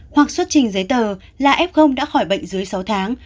hoặc xuất trình giấy tờ là f đã khỏi bệnh dưới sáu tháng